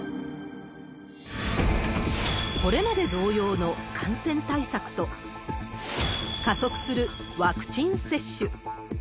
これまで同様の感染対策と、、加速するワクチン接種。